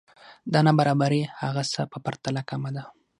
دا نابرابری هغه څه په پرتله کمه ده